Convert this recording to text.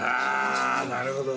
あなるほど。